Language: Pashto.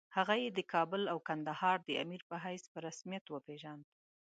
هغه یې د کابل او کندهار د امیر په حیث په رسمیت وپېژاند.